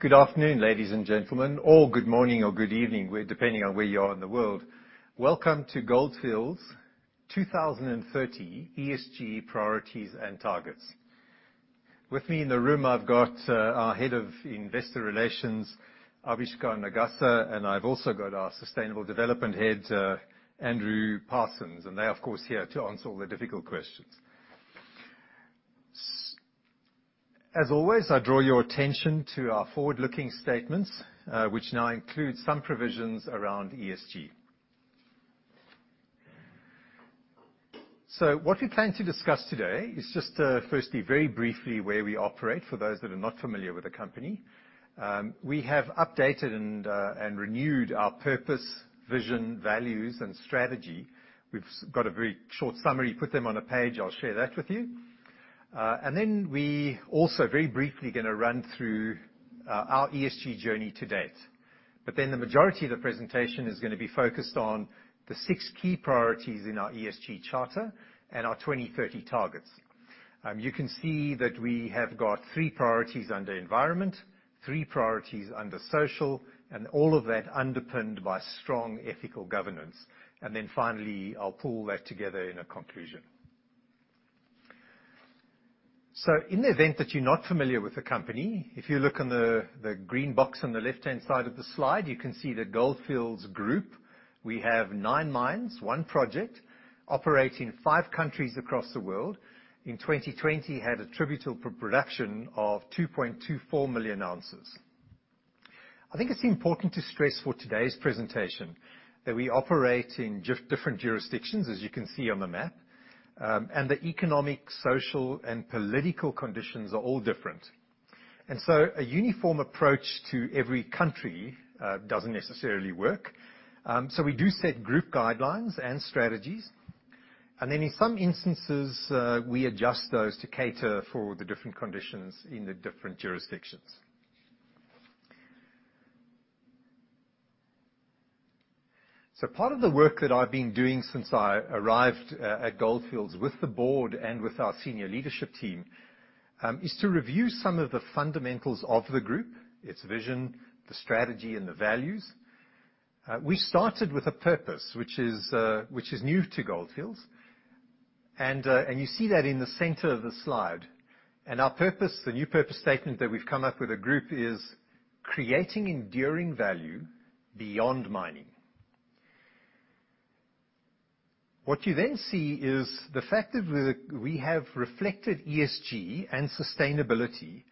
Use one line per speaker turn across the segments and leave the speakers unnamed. Good afternoon, ladies and gentlemen, or good morning or good evening, depending on where you are in the world. Welcome to Gold Fields' 2030 ESG Priorities and Targets. With me in the room, I've got our Head of Investor Relations, Avishkar Nagaser, and I've also got our Head of Sustainable Development, Andrew Parsons. They're, of course, here to answer all the difficult questions. As always, I draw your attention to our forward-looking statements, which now includes some provisions around ESG. What we're trying to discuss today is just to, firstly, very briefly where we operate for those that are not familiar with the company. We have updated and renewed our purpose, vision, values and strategy. We've got a very short summary, put them on a page, I'll share that with you. We also very briefly gonna run through our ESG journey to date. The majority of the presentation is gonna be focused on the six key priorities in our ESG charter and our 2030 targets. You can see that we have got three priorities under environment, three priorities under social, and all of that underpinned by strong ethical governance. Finally, I'll pull that together in a conclusion. In the event that you're not familiar with the company, if you look on the green box on the left-hand side of the slide, you can see the Gold Fields group. We have nine mines, one project, operate in five countries across the world. In 2020, had attributable production of 2.24 million ounces. I think it's important to stress for today's presentation that we operate in different jurisdictions, as you can see on the map. The economic, social and political conditions are all different. A uniform approach to every country doesn't necessarily work. We do set group guidelines and strategies. In some instances, we adjust those to cater for the different conditions in the different jurisdictions. Part of the work that I've been doing since I arrived at Gold Fields with the board and with our senior leadership team is to review some of the fundamentals of the group, its vision, the strategy and the values. We started with a purpose, which is new to Gold Fields. You see that in the centre of the slide. Our purpose, the new purpose statement that we've come up with a group is, creating enduring value beyond mining. What you then see is the fact that we have reflected ESG and sustainability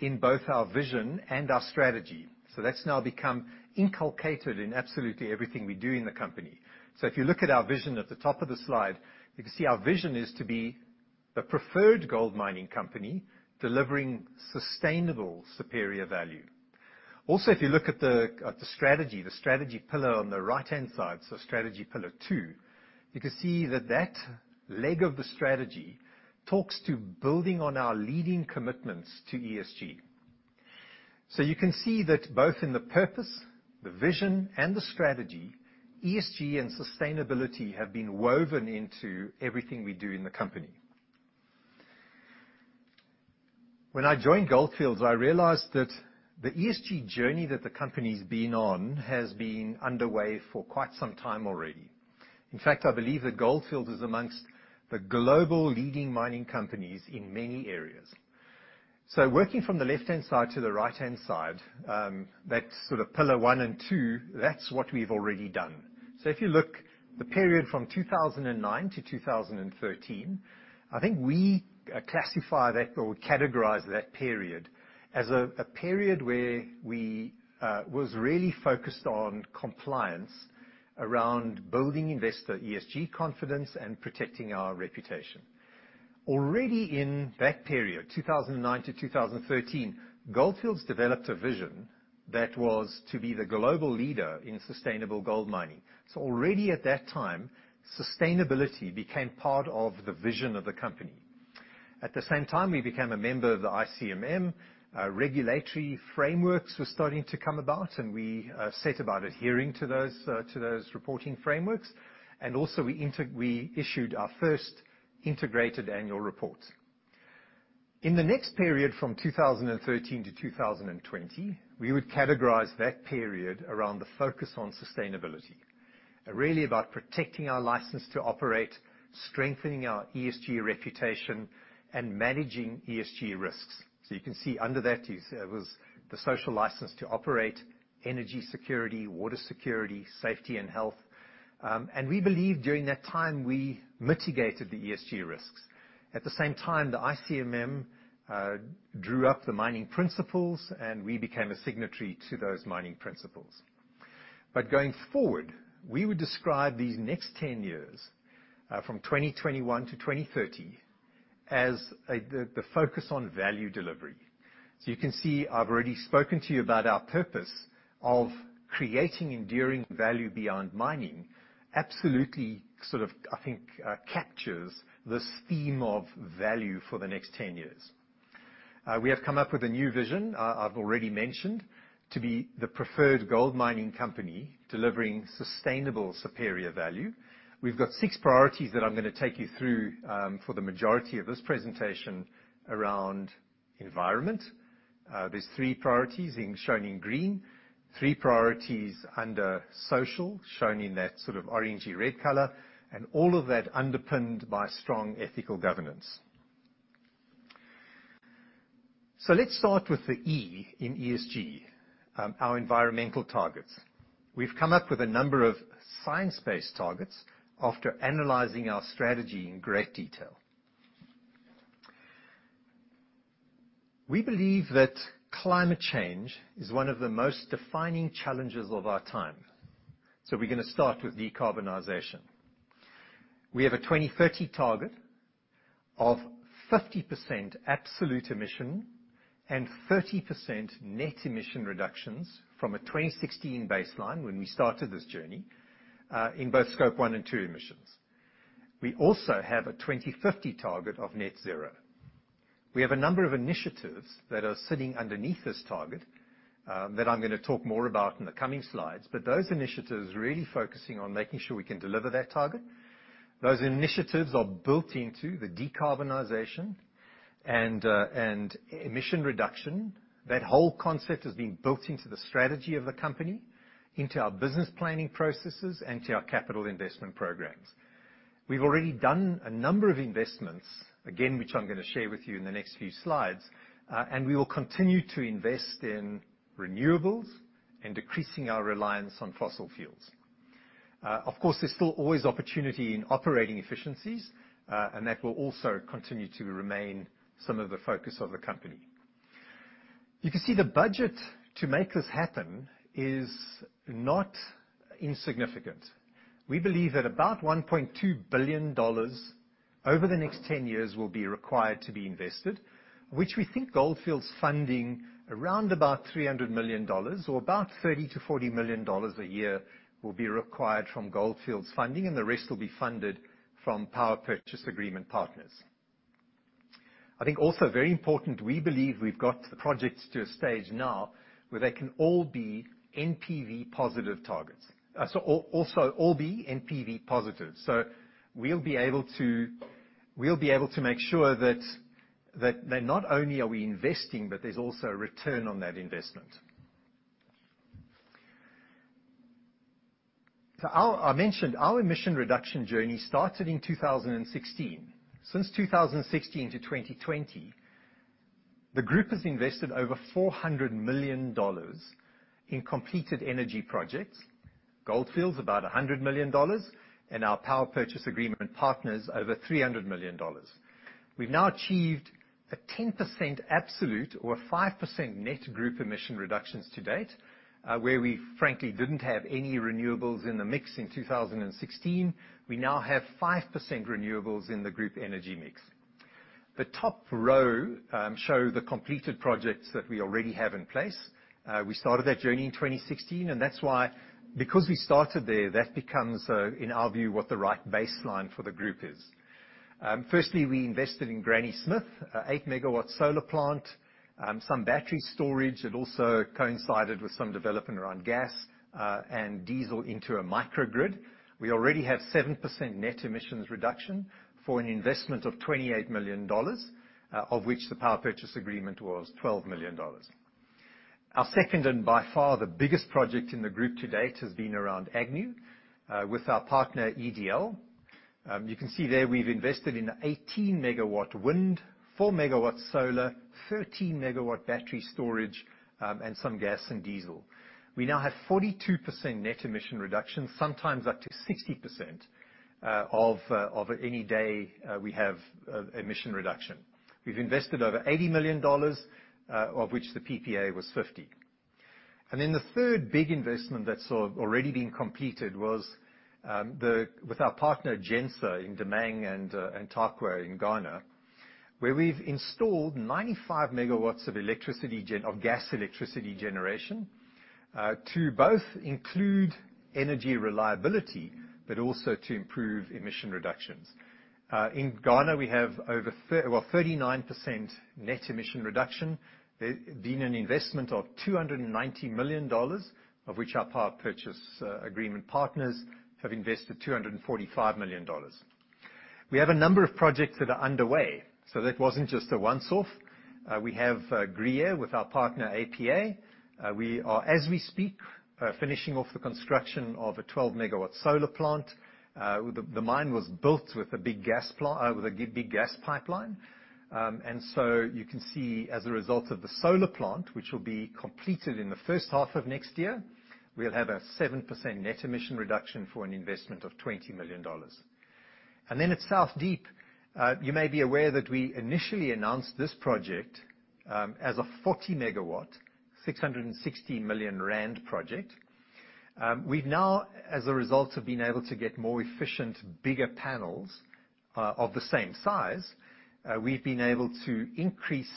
in both our vision and our strategy. That's now become inculcated in absolutely everything we do in the company. If you look at our vision at the top of the slide, you can see our vision is to be the preferred gold mining company, delivering sustainable, superior value. If you look at the strategy, the strategy pillar on the right-hand side, strategy pillar two, you can see that that leg of the strategy talks to building on our leading commitments to ESG. You can see that both in the purpose, the vision and the strategy, ESG and sustainability have been woven into everything we do in the company. When I joined Gold Fields, I realized that the ESG journey that the company's been on has been underway for quite some time already. In fact, I believe that Gold Fields is amongst the global leading mining companies in many areas. Working from the left-hand side to the right-hand side, that sort of pillar one and two, that's what we've already done. If you look the period from 2009 to 2013, I think we classify that or categorize that period as a period where we was really focused on compliance around building investor ESG confidence and protecting our reputation. Already in that period, 2009 to 2013, Gold Fields developed a vision that was to be the global leader in sustainable gold mining. Already at that time, sustainability became part of the vision of the company. At the same time, we became a member of the ICMM, regulatory frameworks were starting to come about, and we set about adhering to those, to those reporting frameworks. We issued our first integrated annual report. In the next period from 2013 to 2020, we would categorize that period around the focus on sustainability. Really about protecting our license to operate, strengthening our ESG reputation and managing ESG risks. You can see under that was the social license to operate, energy security, water security, safety and health. We believe during that time, we mitigated the ESG risks. At the same time, the ICMM drew up the mining principles, and we became a signatory to those mining principles. Going forward, we would describe these next 10 years, from 2021 to 2030 as, the focus on value delivery. You can see I've already spoken to you about our purpose of creating enduring value beyond mining. Absolutely, sort of, I think, captures this theme of value for the next 10 years. We have come up with a new vision, I've already mentioned. To be the preferred gold mining company delivering sustainable superior value, we've got six priorities that I'm gonna take you through, for the majority of this presentation around environment. There's three priorities, shown in green, three priorities under social, shown in that sort of orangey red colour, and all of that underpinned by strong ethical governance. Let's start with the E in ESG, our environmental targets. We've come up with a number of science-based targets after analysing our strategy in great detail. We believe that climate change is one of the most defining challenges of our time, so we're gonna start with decarbonization. We have a 2030 target of 50% absolute emission and 30% net emission reductions from a 2016 baseline, when we started this journey, in both Scope one and two emissions. We also have a 2050 target of net zero. We have a number of initiatives that are sitting underneath this target, that I'm gonna talk more about in the coming slides, but those initiatives really focusing on making sure we can deliver that target. Those initiatives are built into the decarbonization and emission reduction. That whole concept has been built into the strategy of the company, into our business planning processes, and to our capital investment programs. We've already done a number of investments, again, which I'm gonna share with you in the next few slides, and we will continue to invest in renewables and decreasing our reliance on fossil fuels. Of course, there's still always opportunity in operating efficiencies, and that will also continue to remain some of the focus of the company. You can see the budget to make this happen is not insignificant. We believe that about $1.2 billion over the next 10 years will be required to be invested, which we think Gold Fields funding around about $300 million or about $30 million to 40 million a year will be required from Gold Fields funding, and the rest will be funded from power purchase agreement partners. I think also very important, we believe we've got the projects to a stage now where they can all be NPV positive targets. Also all be NPV positive. We'll be able to make sure that not only are we investing, but there's also a return on that investment. I mentioned our emission reduction journey started in 2016. Since 2016 to 2020, the group has invested over $400 million in completed energy projects. Gold Fields, about $100 million, and our power purchase agreement partners, over $300 million. We've now achieved a 10% absolute or 5% net group emissions reductions to date. Where we frankly didn't have any renewables in the mix in 2016, we now have 5% renewables in the group energy mix. The top row show the completed projects that we already have in place. We started that journey in 2016, and that's why, because we started there, that becomes, in our view, what the right baseline for the group is. Firstly, we invested in Granny Smith, an 8 MW solar plant, some battery storage. It also coincided with some development around gas, and diesel into a microgrid. We already have 7% net emissions reduction for an investment of $28 million, of which the power purchase agreement was $12 million. Our second, and by far the biggest project in the group to date, has been around Agnew with our partner EDL. You can see there we've invested in 18 MW wind, 4 MW solar, 13 MW battery storage, and some gas and diesel. We now have 42% net emission reduction, sometimes up to 60%, of any day we have emission reduction. We've invested over $80 million, of which the PPA was $50 million. The third big investment that's already been completed was with our partner Genser in Damang and Tarkwa in Ghana, where we've installed 95 MW of gas electricity generation to both include energy reliability, but also to improve emission reductions. In Ghana, we have over well 39% net emission reduction. There's been an investment of $290 million, of which our power purchase agreement partners have invested $245 million. We have a number of projects that are underway, so that wasn't just a once-off. We have Gruyere with our partner APA. We are, as we speak, finishing off the construction of a 12-MW solar plant. The mine was built with a big gas pipeline. You can see as a result of the solar plant, which will be completed in the first half of next year, we'll have a 7% net emission reduction for an investment of $20 million. At South Deep, you may be aware that we initially announced this project as a 40 MW, 660 million rand project. We've now, as a result of being able to get more efficient, bigger panels of the same size, we've been able to increase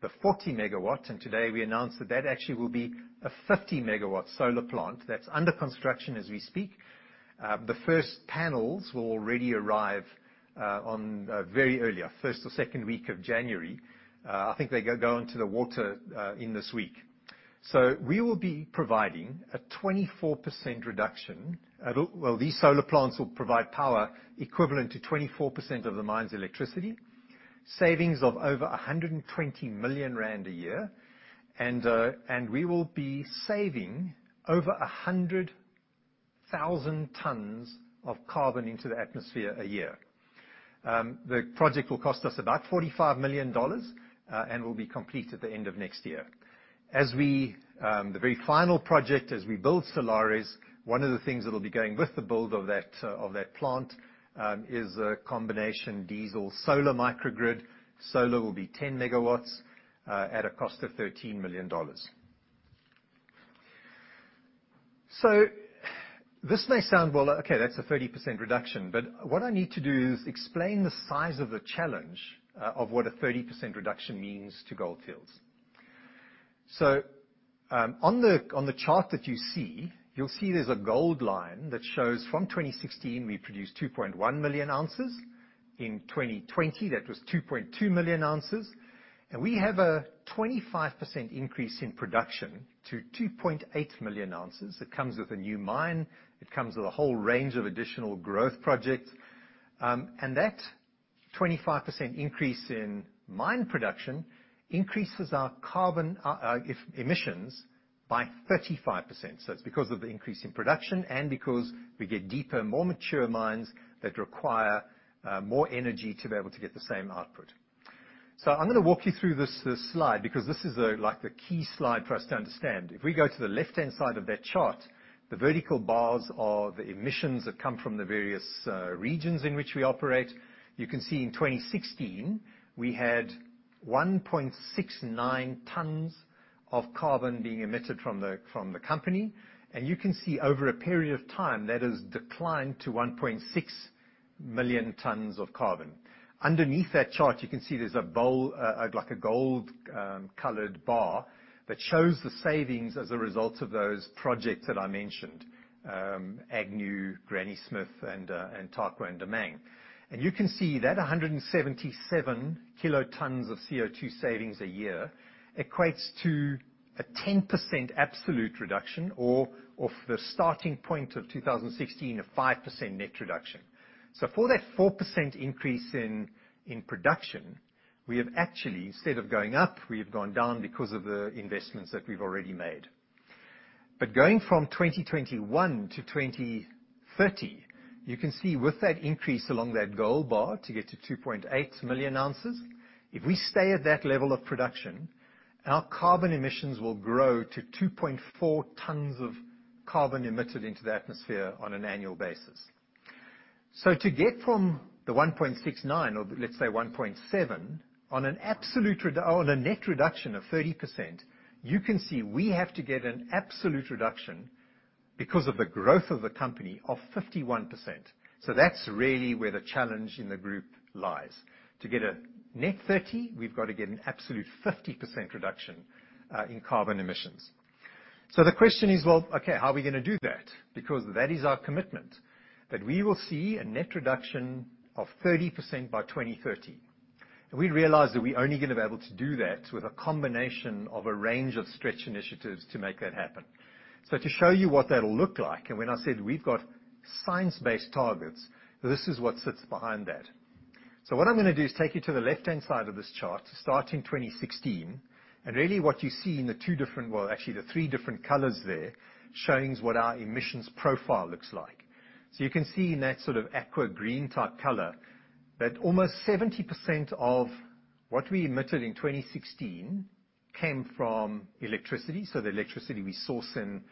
the 40 MW, and today we announced that that actually will be a 50 MW solar plant that's under construction as we speak. The first panels will already arrive on very early, first or second week of January. I think they go into the water in this week. These solar plants will provide power equivalent to 24% of the mine's electricity, savings of over 120 million rand a year, and we will be saving over 100,000 tons of carbon into the atmosphere a year. The project will cost us about $45 million and will be complete at the end of next year. The very final project as we build Solaris, one of the things that'll be going with the build of that plant is a combination diesel solar microgrid. Solar will be 10 MW at a cost of $13 million. This may sound, well, okay, that's a 30% reduction, but what I need to do is explain the size of the challenge of what a 30% reduction means to Gold Fields. On the chart that you see, you'll see there's a gold line that shows from 2016 we produced 2.1 million ounces. In 2020, that was 2.2 million ounces. We have a 25% increase in production to 2.8 million ounces. It comes with a new mine. It comes with a whole range of additional growth projects. That 25% increase in mine production increases our carbon emissions by 35%. It's because of the increase in production and because we get deeper, more mature mines that require more energy to be able to get the same output. I'm gonna walk you through this slide because this is like the key slide for us to understand. If we go to the left-hand side of that chart, the vertical bars are the emissions that come from the various regions in which we operate. You can see in 2016, we had 1.69 million tons of carbon being emitted from the company. You can see over a period of time, that has declined to 1.6 million tons of carbon. Underneath that chart, you can see there's a bold, like a gold, coloured bar that shows the savings as a result of those projects that I mentioned, Agnew, Granny Smith and Tarkwa and Damang. You can see that 177 kilotons of CO2 savings a year equates to a 10% absolute reduction or for the starting point of 2016, a 5% net reduction. For that 4% increase in production, we have actually, instead of going up, we have gone down because of the investments that we've already made. Going from 2021 to 2030, you can see with that increase along that gold bar to get to 2.8 million ounces, if we stay at that level of production, our carbon emissions will grow to 2.4 tons of carbon emitted into the atmosphere on an annual basis. To get from the 1.69 or let's say 1.7 on an absolute on a net reduction of 30%, you can see we have to get an absolute reduction because of the growth of the company of 51%. That's really where the challenge in the group lies. To get a net 30, we've got to get an absolute 50% reduction in carbon emissions. The question is, well, okay, how are we gonna do that? Because that is our commitment, that we will see a net reduction of 30% by 2030. We realize that we're only gonna be able to do that with a combination of a range of stretch initiatives to make that happen. To show you what that'll look like, and when I said we've got science-based targets, this is what sits behind that. What I'm gonna do is take you to the left-hand side of this chart to start in 2016. Really what you see in the two different, well, actually the three different colours there, showing us what our emissions profile looks like. You can see in that sort of aqua green type color that almost 70% of what we emitted in 2016 came from electricity, so the electricity we source in,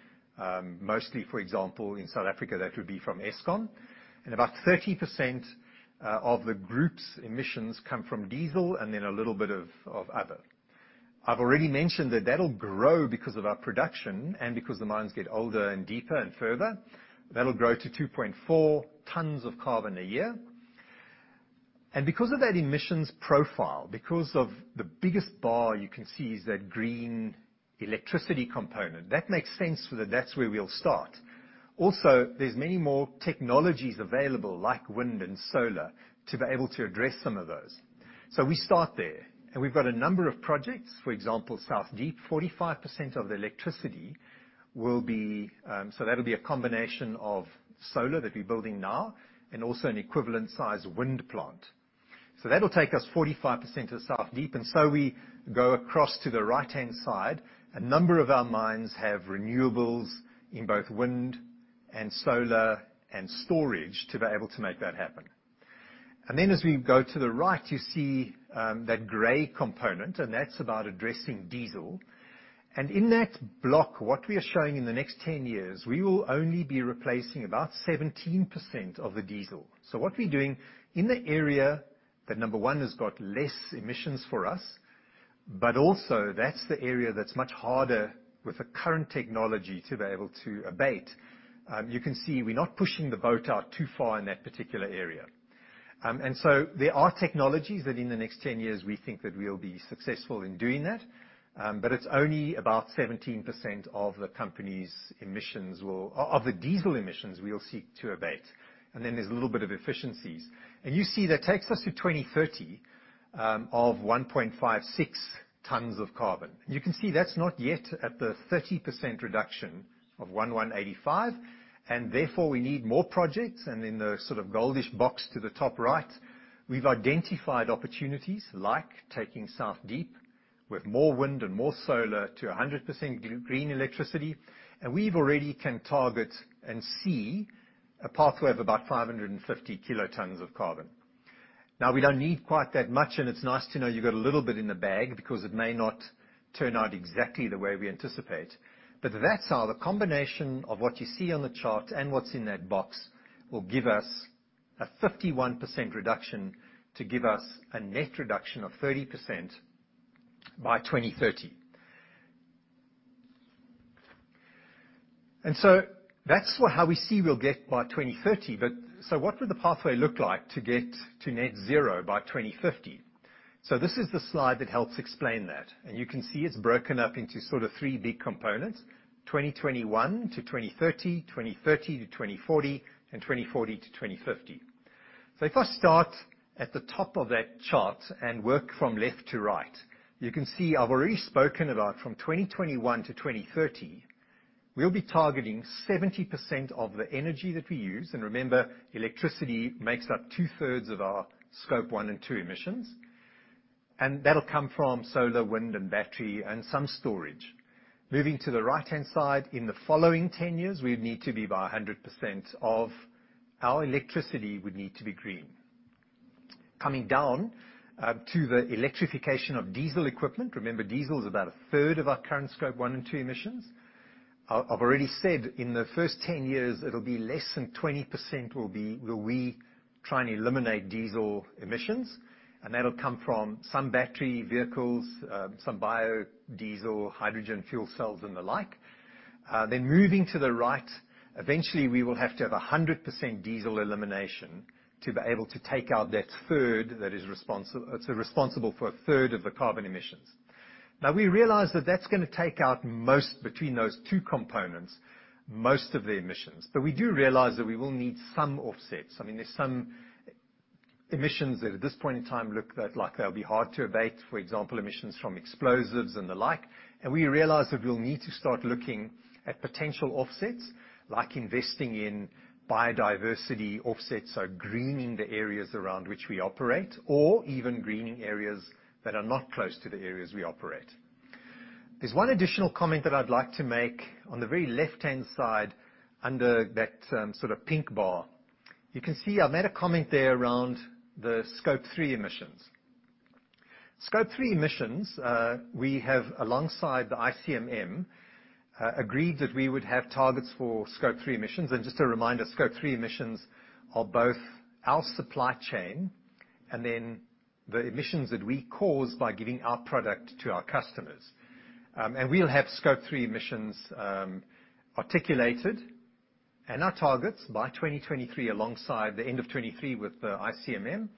mostly, for example, in South Africa, that would be from Eskom. About 30%, of the group's emissions come from diesel and then a little bit of other. I've already mentioned that that'll grow because of our production and because the mines get older and deeper and further. That'll grow to 2.4 tons of carbon a year. Because of that emissions profile, because of the biggest bar you can see is that green electricity component, that makes sense so that that's where we'll start. Also, there's many more technologies available, like wind and solar, to be able to address some of those. We start there. We've got a number of projects, for example, South Deep. 45% of the electricity will be a combination of solar that we're building now and also an equivalent size wind plant. That'll take us 45% to South Deep. We go across to the right-hand side. A number of our mines have renewables in both wind and solar and storage to be able to make that happen. As we go to the right, you see that grey component, and that's about addressing diesel. In that block, what we are showing in the next 10 years, we will only be replacing about 17% of the diesel. What we're doing in the area that, number one, has got less emissions for us, but also that's the area that's much harder with the current technology to be able to abate. You can see we're not pushing the boat out too far in that particular area. There are technologies that in the next 10 years, we think that we'll be successful in doing that. It's only about 17% of the company's emissions of the diesel emissions we will seek to abate. Then there's a little bit of efficiencies. You see that takes us to 2030 of 1.56 tons of carbon. You can see that's not yet at the 30% reduction of 1.185, and therefore we need more projects. In the sort of goldish box to the top right, we've identified opportunities like taking South Deep with more wind and more solar to 100% green electricity. We can already target and see a pathway of about 550 kilotons of carbon. Now, we don't need quite that much, and it's nice to know you've got a little bit in the bag because it may not turn out exactly the way we anticipate. That's how the combination of what you see on the chart and what's in that box will give us a 51% reduction to give us a net reduction of 30% by 2030. That's how we see we'll get by 2030. What would the pathway look like to get to net zero by 2050? This is the slide that helps explain that. You can see it's broken up into sort of three big components, 2021 to 2030, 2030 to 2040, and 2040 to 2050. If I start at the top of that chart and work from left to right, you can see I've already spoken about from 2021 to 2030, we'll be targeting 70% of the energy that we use. Remember, electricity makes up two-thirds of our Scope one and two emissions, and that'll come from solar, wind, and battery and some storage. Moving to the right-hand side in the following ten years, we'd need to be at 100% of our electricity would need to be green. Coming down to the electrification of diesel equipment. Remember, diesel is about a third of our current Scope one and two emissions. I've already said in the first 10 years, it'll be less than 20% will we try and eliminate diesel emissions, and that'll come from some battery vehicles, some biodiesel, hydrogen fuel cells, and the like. Then moving to the right, eventually we will have to have 100% diesel elimination to be able to take out that third that's responsible for a third of the carbon emissions. Now, we realize that that's gonna take out most between those two components, most of the emissions. But we do realize that we will need some offsets. I mean, there's some emissions that at this point in time look like they'll be hard to abate, for example, emissions from explosives and the like. We realize that we'll need to start looking at potential offsets, like investing in biodiversity offsets or greening the areas around which we operate, or even greening areas that are not close to the areas we operate. There's one additional comment that I'd like to make on the very left-hand side under that, sort of pink bar. You can see I made a comment there around the Scope three emissions. Scope three emissions, we have, alongside the ICMM, agreed that we would have targets for Scope three emissions. Just a reminder, Scope three emissions are both our supply chain and then the emissions that we cause by giving our product to our customers. We'll have Scope three emissions articulated and our targets by 2023 alongside the end of 2023 with the ICMM.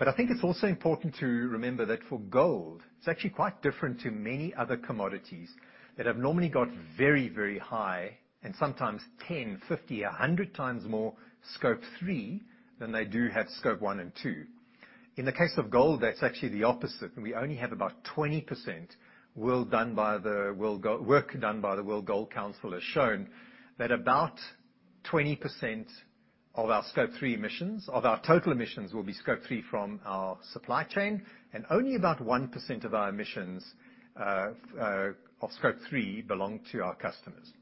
I think it's also important to remember that for gold, it's actually quite different to many other commodities that have normally got very, very high and sometimes 10, 50, 100 times more Scope three than they do have Scope one and two. In the case of gold, that's actually the opposite, and we only have about 20%. Work done by the World Gold Council has shown that about 20% of our Scope three emissions, of our total emissions, will be Scope three from our supply chain, and only about 1% of our emissions, of Scope three belong to our customers.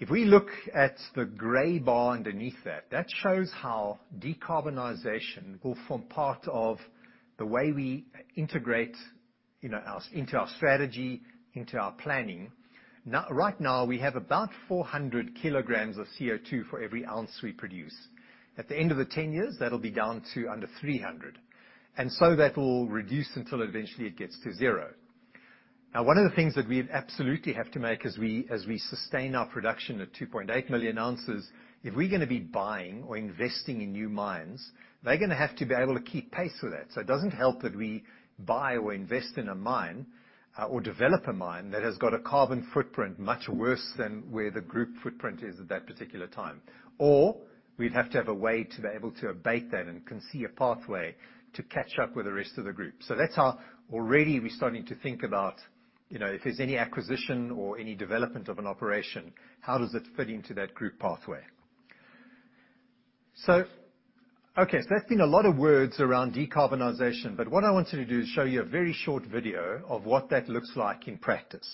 If we look at the grey bar underneath that shows how decarbonization will form part of the way we integrate, you know, into our strategy, into our planning. Now, right now, we have about 400 kilograms of CO2 for every ounce we produce. At the end of the 10 years, that'll be down to under 300, and so that will reduce until eventually it gets to zero. Now, one of the things that we absolutely have to make sure as we sustain our production at 2.8 million ounces, if we're gonna be buying or investing in new mines, they're gonna have to be able to keep pace with that. It doesn't help that we buy or invest in a mine, or develop a mine that has got a carbon footprint much worse than where the group footprint is at that particular time. Or we'd have to have a way to be able to abate that and can see a pathway to catch up with the rest of the group. That's how already we're starting to think about, you know, if there's any acquisition or any development of an operation, how does it fit into that group pathway. Okay, so that's been a lot of words around decarbonization, but what I want you to do is show you a very short video of what that looks like in practice.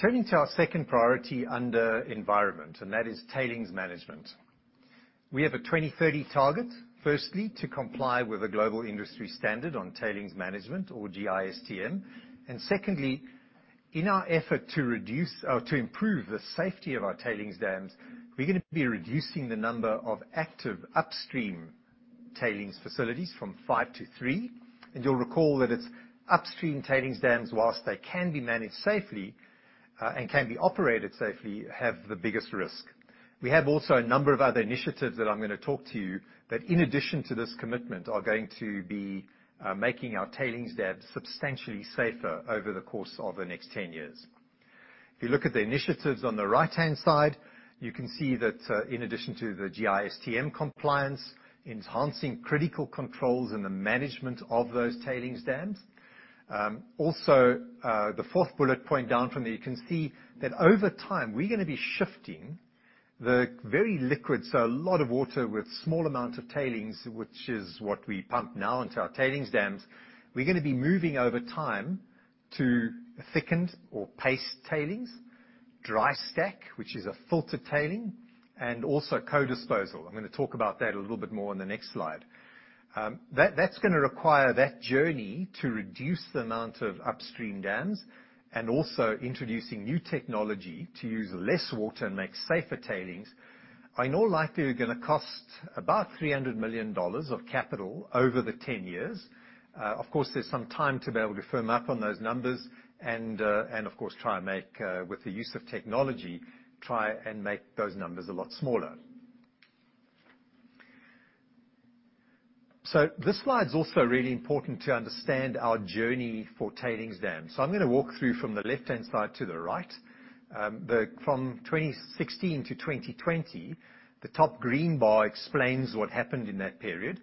Turning to our second priority under environment, and that is tailings management. We have a 2030 target, firstly, to comply with the global industry standard on tailings management or GISTM. Secondly, in our effort to reduce or to improve the safety of our tailings dams, we're gonna be reducing the number of active upstream tailings facilities from five to three. You'll recall that it's upstream tailings dams, while they can be managed safely, and can be operated safely, have the biggest risk. We have also a number of other initiatives that I'm gonna talk to you that in addition to this commitment, are going to be making our tailings dams substantially safer over the course of the next 10 years. If you look at the initiatives on the right-hand side, you can see that in addition to the GISTM compliance, enhancing critical controls and the management of those tailings dams. Also, the fourth bullet point down from there, you can see that over time we're gonna be shifting the very liquid, so a lot of water with small amounts of tailings, which is what we pump now into our tailings dams. We're gonna be moving over time to thickened or paste tailings, dry stack, which is a filtered tailings, and also co-disposal. I'm gonna talk about that a little bit more in the next slide. That's gonna require that journey to reduce the amount of upstream dams and also introducing new technology to use less water and make safer tailings. I know likely we're gonna cost about $300 million of capital over the 10 years. Of course, there's some time to be able to firm up on those numbers and of course, try and make those numbers a lot smaller with the use of technology. This slide's also really important to understand our journey for tailings dams. I'm gonna walk through from the left-hand side to the right. From 2016 to 2020, the top green bar explains what happened in that period.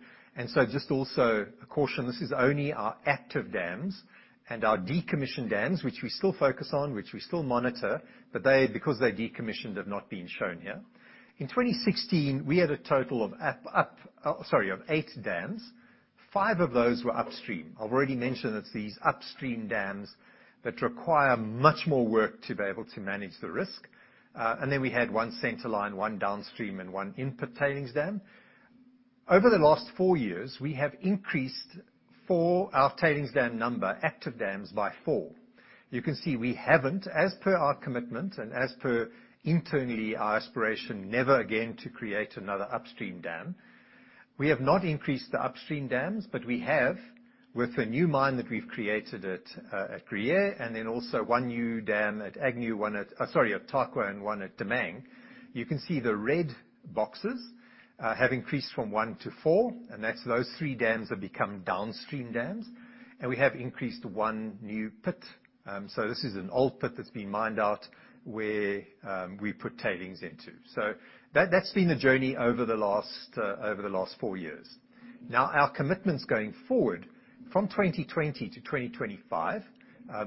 Just also a caution, this is only our active dams and our decommissioned dams, which we still focus on, which we still monitor, but they, because they're decommissioned, have not been shown here. In 2016, we had a total of eight dams. five of those were upstream. I've already mentioned it's these upstream dams that require much more work to be able to manage the risk. And then we had one centerline, one downstream, and one in-pit tailings dam. Over the last four years, we have increased our tailings dam number, active dams by four. You can see we haven't, as per our commitment and as per internally, our aspiration never again to create another upstream dam. We have not increased the upstream dams, but we have with the new mine that we've created at Gruyere, and then also one new dam at Agnew, one at Tarkwa and one at Damang. You can see the red boxes have increased from one to four, and that's three dams have become downstream dams, and we have increased one new pit. This is an old pit that's been mined out where we put tailings into. That's been the journey over the last four years. Our commitments going forward from 2020 to 2025,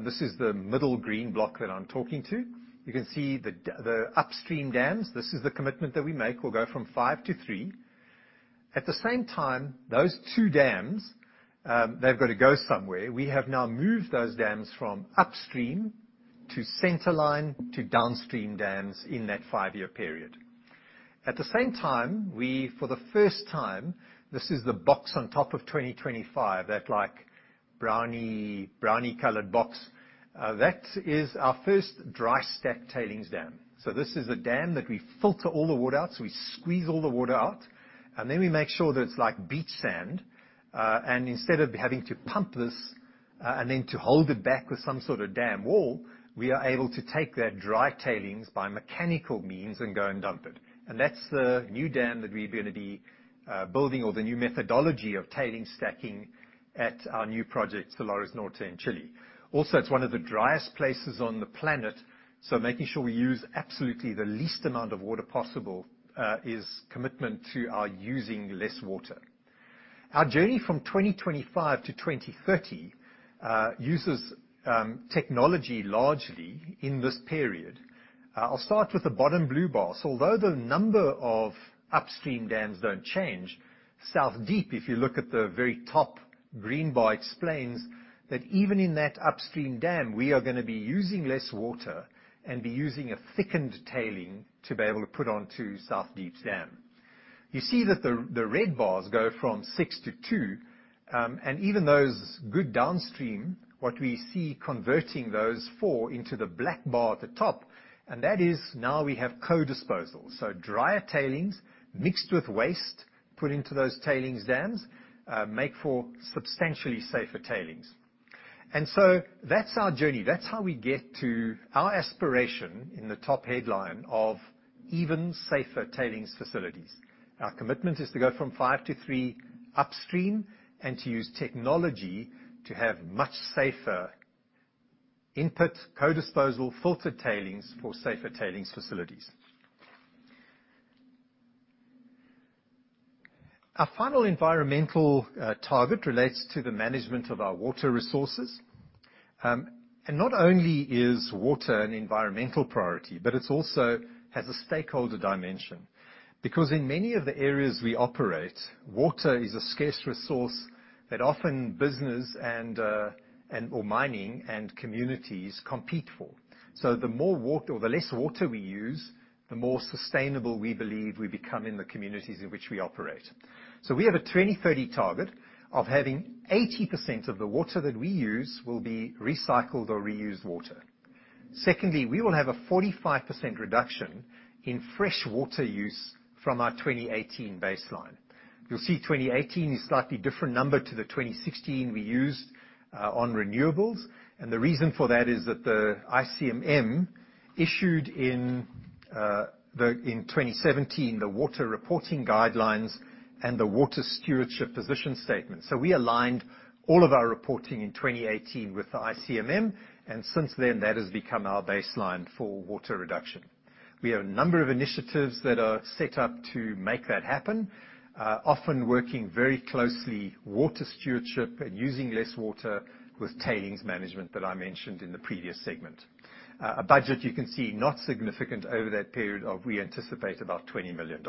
this is the middle green block that I'm talking to. You can see the upstream dams. This is the commitment that we make. We'll go from five to three. At the same time, those two dams, they've got to go somewhere. We have now moved those dams from upstream to centreline to downstream dams in that five-year period. At the same time, we, for the first time, this is the box on top of 2025, that like brownie coloured box, that is our first dry stack tailings dam. This is a dam that we filter all the water out, so we squeeze all the water out, and then we make sure that it's like beach sand. Instead of having to pump this, and then to hold it back with some sort of dam wall, we are able to take that dry tailings by mechanical means and go and dump it. That's the new dam that we're gonna be building or the new methodology of tailings stacking at our new project, Salares Norte in Chile. It's one of the driest places on the planet, so making sure we use absolutely the least amount of water possible is commitment to our using less water. Our journey from 2025 to 2030 uses technology largely in this period. I'll start with the bottom blue bars. Although the number of upstream dams don't change, South Deep, if you look at the very top green bar, explains that even in that upstream dam, we are gonna be using less water and be using a thickened tailings to be able to put onto South Deep's dam. You see that the red bars go from six to two. Even those good downstream, what we see converting those four into the black bar at the top, and that is now we have co-disposal. Drier tailings mixed with waste put into those tailings dams make for substantially safer tailings. That's our journey. That's how we get to our aspiration in the top headline of even safer tailings facilities. Our commitment is to go from five to three upstream, and to use technology to have much safer input co-disposal filtered tailings for safer tailings facilities. Our final environmental target relates to the management of our water resources. Not only is water an environmental priority, but it's also has a stakeholder dimension because in many of the areas we operate, water is a scarce resource that often business and and/or mining and communities compete for. The less water we use, the more sustainable we believe we become in the communities in which we operate. We have a 2030 target of having 80% of the water that we use will be recycled or reused water. Secondly, we will have a 45% reduction in fresh water use from our 2018 baseline. You'll see 2018 is a slightly different number to the 2016 we used on renewables, and the reason for that is that the ICMM issued in 2017 the Water Reporting Guidelines and the Water Stewardship Position Statement. We aligned all of our reporting in 2018 with the ICMM, and since then, that has become our baseline for water reduction. We have a number of initiatives that are set up to make that happen, often working very closely with Water Stewardship and using less water with tailings management that I mentioned in the previous segment. A budget you can see not significant over that period, as we anticipate about $20 million.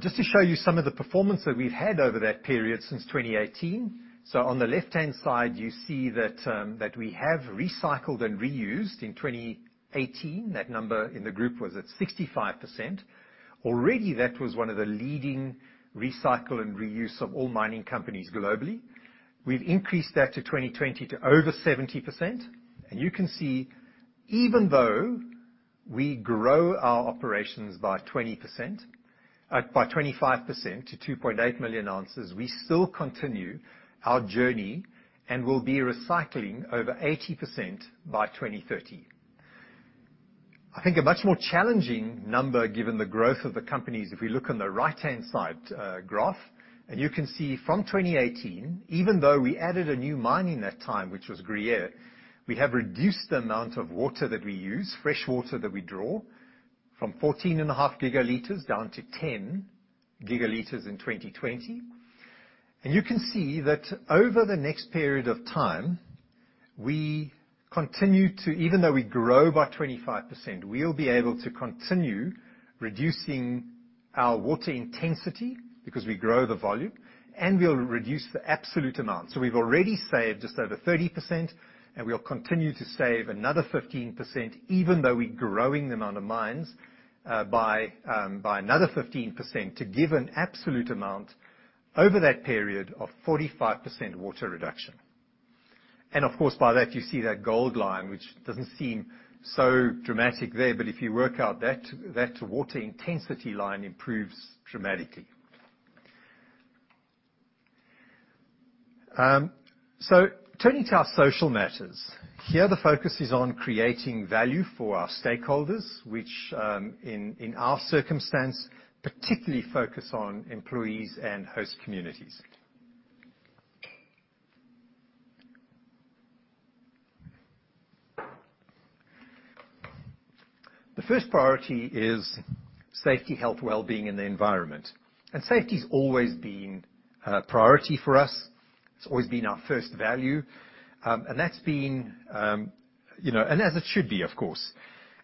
Just to show you some of the performance that we've had over that period since 2018. On the left-hand side, you see that we have recycled and reused in 2018. That number in the group was at 65%. Already, that was one of the leading recycle and reuse of all mining companies globally. We've increased that to 2020 to over 70%. You can see, even though we grow our operations by 20%, by 25% to 2.8 million ounces, we still continue our journey and will be recycling over 80% by 2030. I think a much more challenging number given the growth of the companies, if we look on the right-hand side, graph, and you can see from 2018, even though we added a new mine in that time, which was Gruyere, we have reduced the amount of water that we use, fresh water that we draw from 14.5 gigalitres down to 10 gigalitres in 2020. You can see that over the next period of time, we continue to even though we grow by 25%, we'll be able to continue reducing our water intensity because we grow the volume, and we'll reduce the absolute amount. We've already saved just over 30%, and we'll continue to save another 15%, even though we're growing the amount of mines by another 15% to give an absolute amount over that period of 45% water reduction. Of course, by that, you see that gold line, which doesn't seem so dramatic there, but if you work out that water intensity line improves dramatically. Turning to our social matters. Here, the focus is on creating value for our stakeholders, which in our circumstance particularly focus on employees and host communities. The first priority is safety, health, wellbeing, and the environment. Safety's always been a priority for us. It's always been our first value. That's been you know, and as it should be, of course.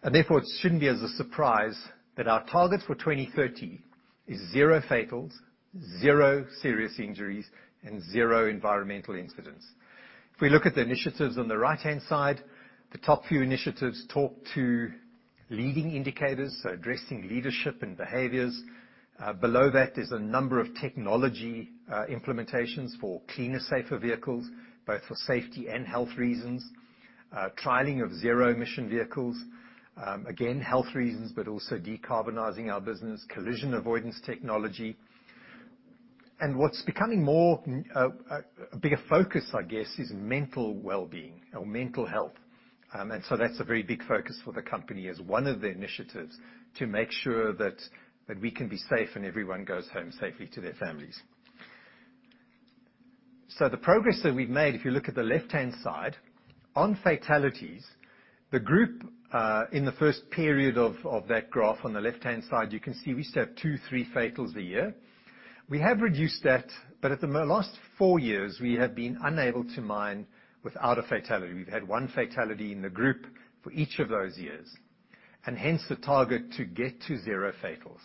Therefore, it shouldn't be as a surprise that our target for 2030 is zero fatals, zero serious injuries, and zero environmental incidents. If we look at the initiatives on the right-hand side, the top few initiatives talk to leading indicators, so addressing leadership and behaviours. Below that is a number of technology implementations for cleaner, safer vehicles, both for safety and health reasons. Trailing of zero emission vehicles. Again, health reasons, but also decarbonizing our business. Collision avoidance technology. What's becoming more, a bigger focus, I guess, is mental wellbeing or mental health. That's a very big focus for the company as one of the initiatives to make sure that we can be safe and everyone goes home safely to their families. The progress that we've made, if you look at the left-hand side, on fatalities, the group, in the first period of that graph on the left-hand side, you can see we used to have two to three fatalities a year. We have reduced that, but in the last four years, we have been unable to mine without a fatality. We've had one fatality in the group for each of those years, and hence the target to get to zero fatalities.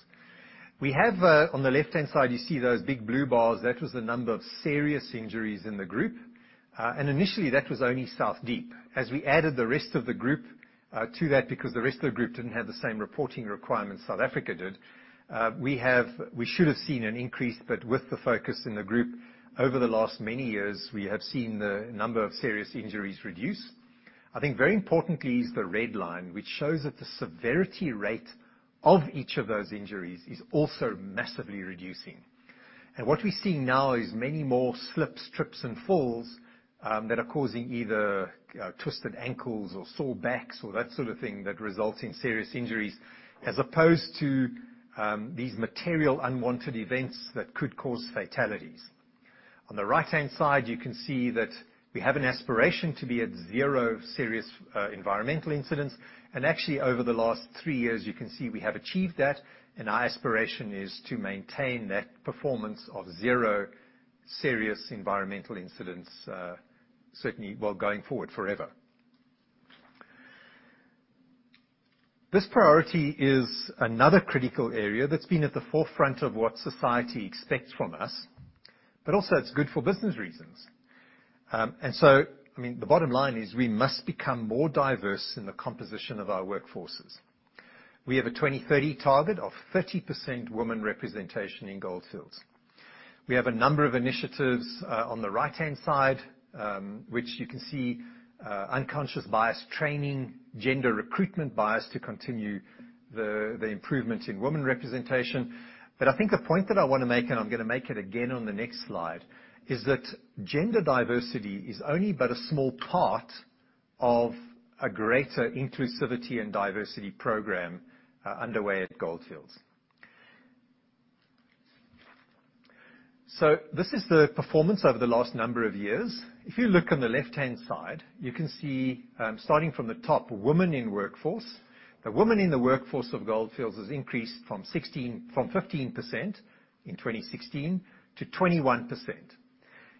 We have, on the left-hand side, you see those big blue bars, that was the number of serious injuries in the group. Initially, that was only South Deep. As we added the rest of the group to that, because the rest of the group didn't have the same reporting requirements South Africa did, we should have seen an increase, but with the focus in the group over the last many years, we have seen the number of serious injuries reduce. I think very importantly is the red line, which shows that the severity rate of each of those injuries is also massively reducing. What we're seeing now is many more slips, trips, and falls that are causing either twisted ankles or sore backs or that sort of thing that result in serious injuries, as opposed to these material unwanted events that could cause fatalities. On the right-hand side, you can see that we have an aspiration to be at zero serious environmental incidents. Actually, over the last three years, you can see we have achieved that, and our aspiration is to maintain that performance of zero serious environmental incidents, certainly well, going forward forever. This priority is another critical area that's been at the forefront of what society expects from us, but also it's good for business reasons. I mean, the bottom line is we must become more diverse in the composition of our workforces. We have a 2030 target of 30% women representation in Gold Fields. We have a number of initiatives on the right-hand side, which you can see, unconscious bias training, gender recruitment bias to continue the improvement in women representation. I think the point that I wanna make, and I'm gonna make it again on the next slide, is that gender diversity is only but a small part of a greater inclusivity and diversity program underway at Gold Fields. This is the performance over the last number of years. If you look on the left-hand side, you can see starting from the top, women in workforce. The women in the workforce of Gold Fields has increased from 15% in 2016 to 21%.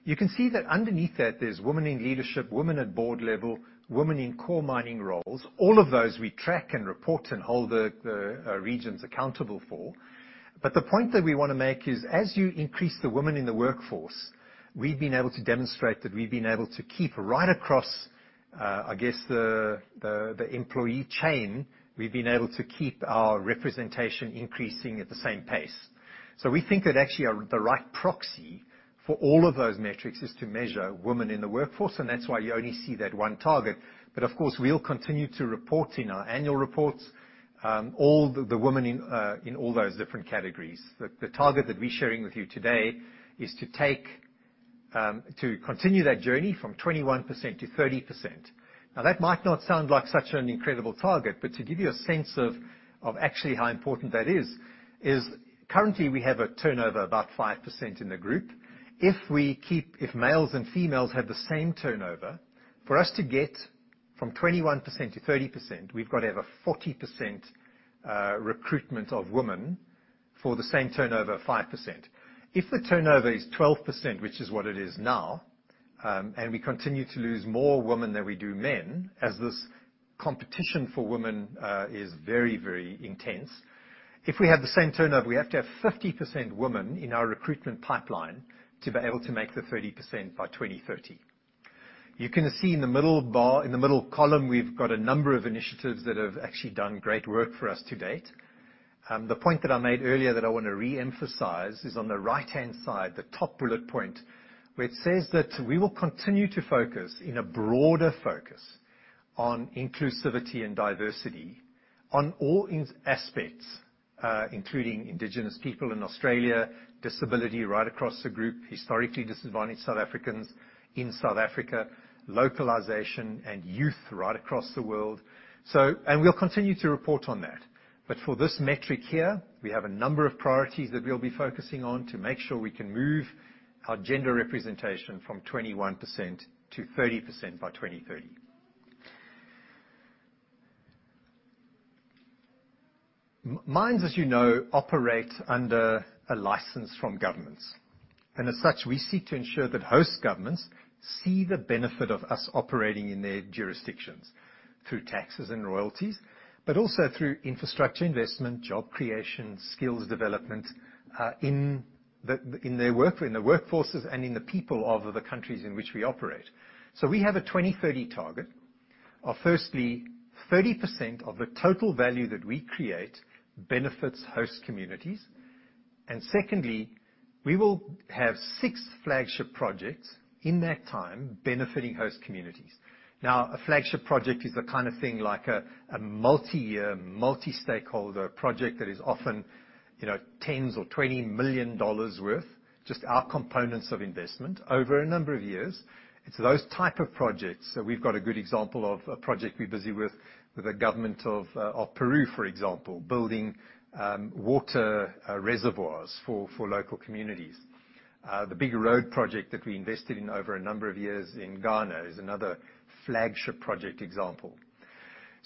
You can see that underneath that there's women in leadership, women at board level, women in core mining roles. All of those we track and report and hold the regions accountable for. The point that we wanna make is, as you increase the women in the workforce, we've been able to demonstrate that we've been able to keep right across, I guess the employee chain, we've been able to keep our representation increasing at the same pace. We think that actually the right proxy for all of those metrics is to measure women in the workforce, and that's why you only see that one target. Of course, we'll continue to report in our annual reports all the women in all those different categories. The target that we're sharing with you today is to continue that journey from 21% to 30%. Now, that might not sound like such an incredible target, but to give you a sense of actually how important that is currently, we have a turnover about 5% in the group. If males and females have the same turnover, for us to get from 21% to 30%, we've got to have a 40% recruitment of women for the same turnover of 5%. If the turnover is 12%, which is what it is now, and we continue to lose more women than we do men, as this competition for women is very, very intense, if we have the same turnover, we have to have 50% women in our recruitment pipeline to be able to make the 30% by 2030. You can see in the middle bar, in the middle column, we've got a number of initiatives that have actually done great work for us to date. The point that I made earlier that I want to re-emphasize is on the right-hand side, the top bullet point, where it says that we will continue to focus in a broader focus on inclusivity and diversity on all in aspects, including indigenous people in Australia, disability right across the group, historically disadvantaged South Africans in South Africa, localization and youth right across the world. We'll continue to report on that. For this metric here, we have a number of priorities that we'll be focusing on to make sure we can move our gender representation from 21% to 30% by 2030. Mines, as you know, operate under a license from governments. As such, we seek to ensure that host governments see the benefit of us operating in their jurisdictions through taxes and royalties, but also through infrastructure investment, job creation, skills development, in their workforces and in the people of the countries in which we operate. We have a 2030 target of, firstly, 30% of the total value that we create benefits host communities. Secondly, we will have six flagship projects in that time benefiting host communities. Now, a flagship project is the kind of thing like a multi-year, multi-stakeholder project that is often, you know, tens or $20 million worth, just our components of investment over a number of years. It's those type of projects that we've got a good example of a project we're busy with the government of Peru, for example, building water reservoirs for local communities. The big road project that we invested in over a number of years in Ghana is another flagship project example.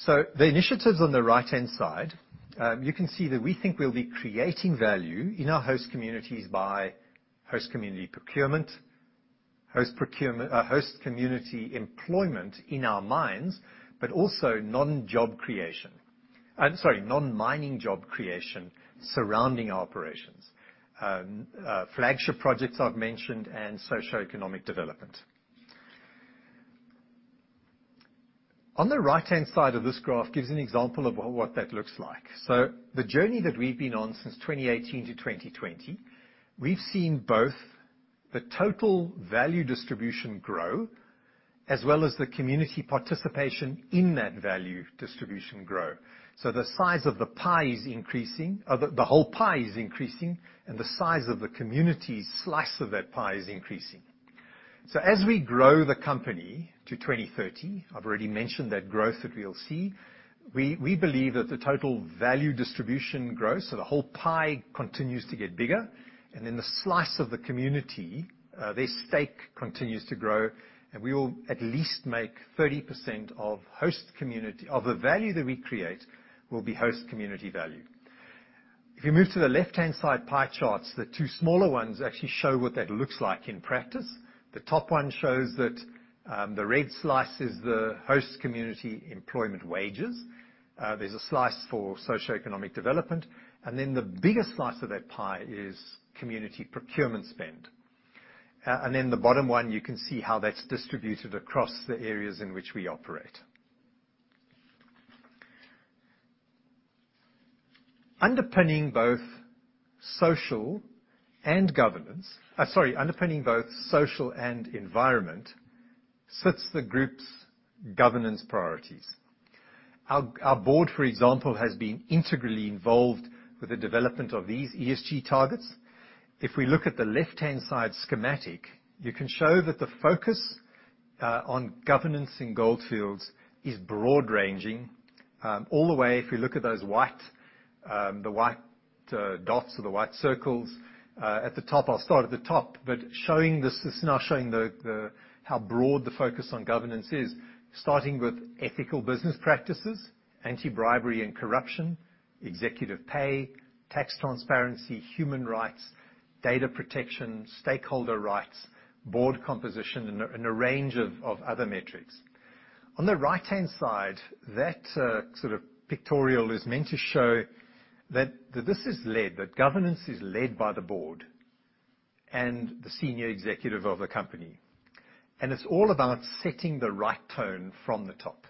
The initiatives on the right-hand side, you can see that we think we'll be creating value in our host communities by host community procurement, host community employment in our minds, but also non-job creation. I'm sorry, non-mining job creation surrounding operations. Flagship projects I've mentioned and socioeconomics development. On the right-hand side of this graph gives an example of what that looks like. The journey that we've been on since 2018 to 2020, we've seen both the total value distribution grow as well as the community participation in that value distribution grow. The size of the pie is increasing. The whole pie is increasing, and the size of the community slice of that pie is increasing. As we grow the company to 2030, I've already mentioned that growth that we'll see, we believe that the total value distribution growth, so the whole pie continues to get bigger, and then the slice of the community, their stake continues to grow. We will at least make 30% of the value that we create will be host community value. If you move to the left-hand side pie charts, the two smaller ones actually show what that looks like in practice. The top one shows that the red slice is the host community employment wages. There's a slice for socioeconomic development. The biggest slice of that pie is community procurement spend. The bottom one, you can see how that's distributed across the areas in which we operate. Underpinning both social and environmental sets the group's governance priorities. Our board, for example, has been integrally involved with the development of these ESG targets. If we look at the left-hand side schematic, you can show that the focus on governance in Gold Fields is broad-ranging, all the way if you look at those white dots or the white circles at the top. I'll start at the top. This is now showing how broad the focus on governance is, starting with ethical business practices, anti-bribery and corruption, executive pay, tax transparency, human rights, data protection, stakeholder rights, board composition, and a range of other metrics. On the right-hand side, that sort of pictorial is meant to show that governance is led by the board and the senior executive of the company. It's all about setting the right tone from the top.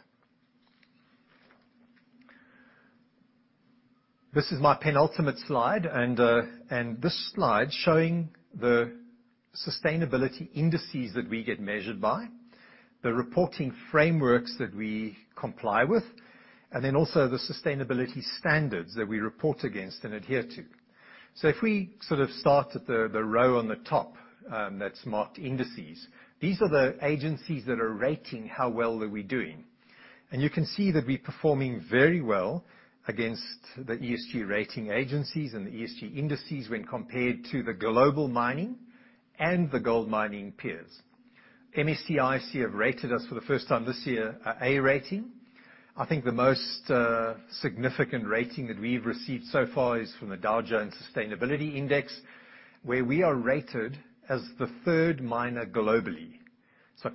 This is my penultimate slide, and this slide showing the sustainability indices that we get measured by, the reporting frameworks that we comply with, and then also the sustainability standards that we report against and adhere to. If we sort of start at the row on the top, that's marked indices, these are the agencies that are rating how well are we doing. You can see that we're performing very well against the ESG rating agencies and the ESG indices when compared to the global mining and the gold mining peers. MSCI have rated us for the first time this year a A rating. I think the most significant rating that we've received so far is from the Dow Jones Sustainability Index, where we are rated as the third miner globally.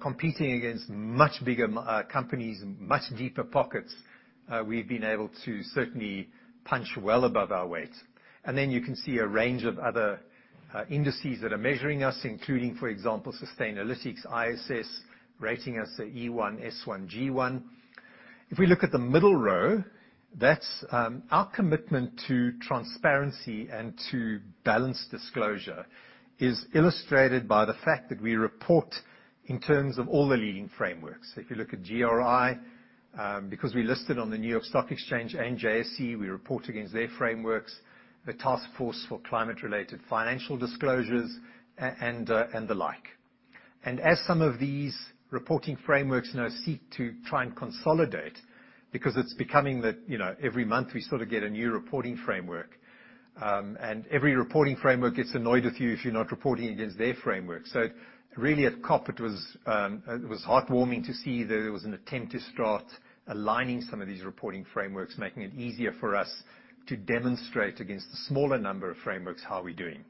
Competing against much bigger companies, much deeper pockets, we've been able to certainly punch well above our weight. Then you can see a range of other indices that are measuring us, including, for example, Sustainalytics, ISS, rating us at E1, S1, G1. If we look at the middle row, that's our commitment to transparency and to balanced disclosure is illustrated by the fact that we report in terms of all the leading frameworks. If you look at GRI, because we listed on the New York Stock Exchange and JSE, we report against their frameworks, the Task Force on Climate-related Financial Disclosures, and the like. As some of these reporting frameworks now seek to try and consolidate because it's becoming that, you know, every month we sort of get a new reporting framework, and every reporting framework gets annoyed with you if you're not reporting against their framework. Really at COP, it was heart-warming to see that there was an attempt to start aligning some of these reporting frameworks, making it easier for us to demonstrate against the smaller number of frameworks how we're doing.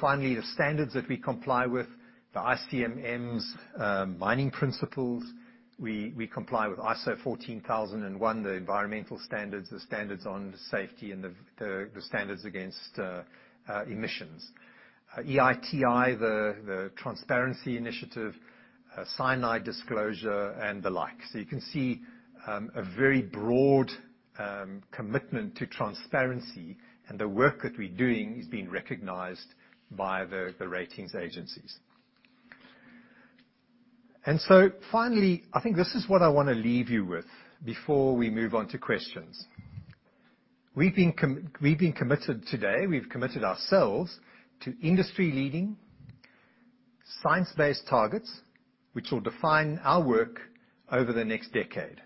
Finally, the standards that we comply with, the ICMM's mining principles. We comply with ISO 14001, the environmental standards, the standards on safety and the standards against emissions. EITI, the transparency initiative, cyanide disclosure, and the like. You can see a very broad commitment to transparency, and the work that we're doing is being recognized by the ratings agencies. Finally, I think this is what I wanna leave you with before we move on to questions. We've committed ourselves to industry-leading science-based targets, which will define our work over the next decade.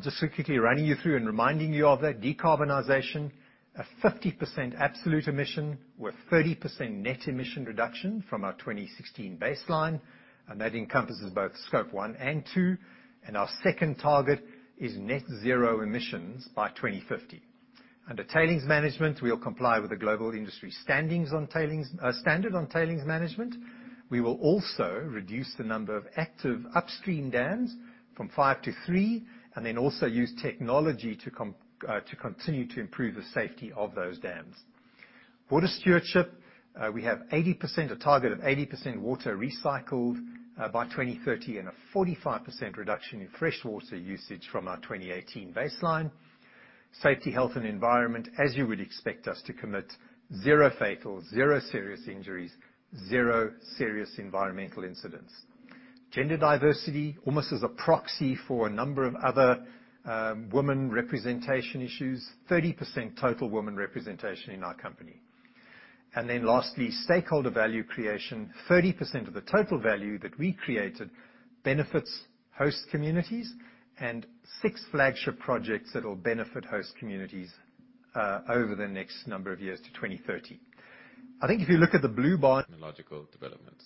Just quickly running you through and reminding you of that decarbonization, a 50% absolute emission with 30% net emission reduction from our 2016 baseline. That encompasses both Scope one and two, and our second target is net zero emissions by 2050. Under tailings management, we'll comply with the Global Industry Standard on Tailings Management. We will also reduce the number of active upstream dams from five to three, and then also use technology to continue to improve the safety of those dams. Water stewardship, we have a target of 80% water recycled by 2030, and a 45% reduction in freshwater usage from our 2018 baseline. Safety, health, and environment, as you would expect us to commit, zero fatalities, zero serious injuries, zero serious environmental incidents. Gender diversity, almost as a proxy for a number of other women representation issues, 30% total women representation in our company. Then lastly, stakeholder value creation, 30% of the total value that we created benefits host communities, and six flagship projects that'll benefit host communities over the next number of years to 2030. I think if you look at the blue bar,
logical developments.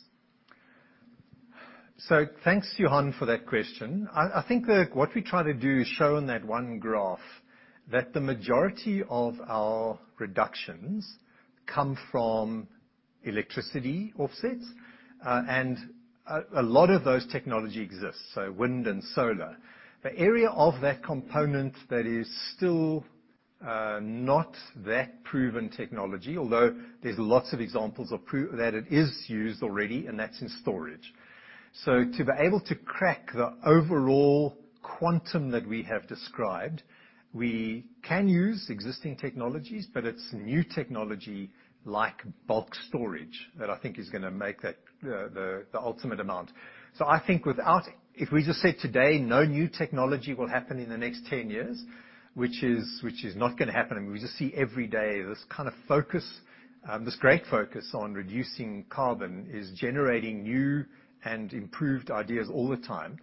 Thanks, Johan, for that question. I think what we try to do is show in that one graph that the majority of our reductions come from electricity offsets, and a lot of those technologies exist, so wind and solar. The area of that component that is still not that proven technology, although there's lots of examples that it is used already, and that's in storage. To be able to crack the overall quantum that we have described, we can use existing technologies, but it's new technology like bulk storage that I think is gonna make that the ultimate amount. I think if we just said today, no new technology will happen in the next 10 years, which is not gonna happen. I mean, we just see every day this kind of focus, this great focus on reducing carbon is generating new and improved ideas all the time.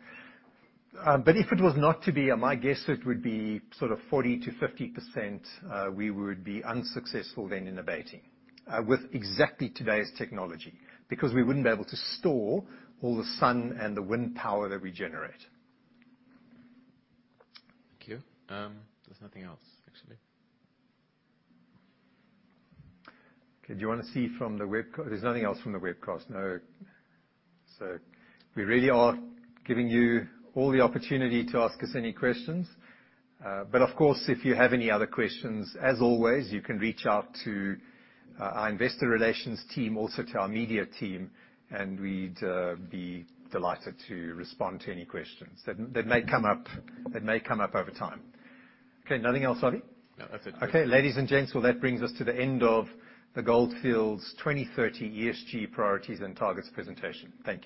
If it was not to be, my guess it would be sort of 40% to 50%, we would be unsuccessful then in abating with exactly today's technology, because we wouldn't be able to store all the sun and the wind power that we generate. Thank you. There's nothing else, actually. Okay. There's nothing else from the webcast, no. We really are giving you all the opportunity to ask us any questions. Of course, if you have any other questions, as always, you can reach out to our investor relations team, also to our media team, and we'd be delighted to respond to any questions that may come up over time. Okay, nothing else, Bobby?
No, that's it. Okay.
Ladies and gents, well, that brings us to the end of the Gold Fields 2030 ESG priorities and targets presentation. Thank you.